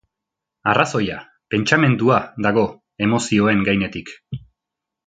Arrazoia, pentsamendua, dago emozioen gainetik.